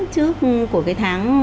trước của cái tháng